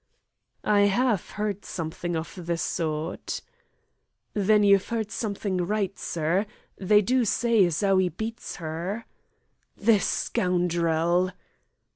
"I have heard something of the sort." "Then you've heard something right, sir. They do say as 'ow 'e beats her." "The scoundrel!"